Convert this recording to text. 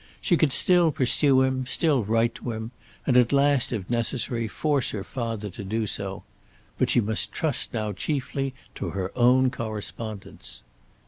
She could still pursue him; still write to him; and at last, if necessary, force her father to do so. But she must trust now chiefly to her own correspondence.